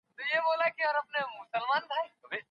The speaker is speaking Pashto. لطفاً په اقتصادي چارو کي مرسته وکړئ.